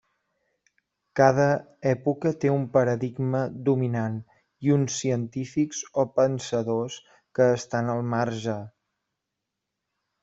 Cada època té un paradigma dominant i uns científics o pensadors que estan al marge.